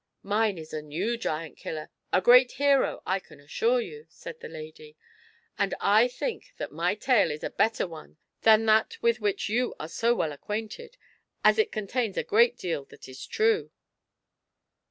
" Mine is a new Giajit killer — a great hero, I can assui'e you," said the lady ;" and I think that my tale is a better one than that wiLh which you are so well ac quainted, as it contains a great deal that is true."